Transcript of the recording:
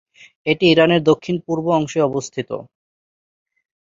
এটি ইরানের দক্ষিণ-পূর্ব অংশে অবস্থিত।